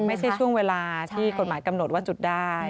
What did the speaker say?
ไม่ใช่ช่วงเวลาที่กฎหมายกำหนดว่าจุดได้